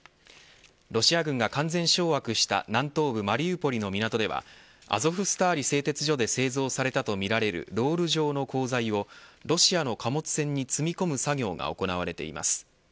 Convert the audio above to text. ロシア軍が完全掌握した南東部マリウポリの港ではアゾフスターリ製鉄所で製造されたとみられるロール状の鋼材をロシアの貨物船に積み込む作業が行われています。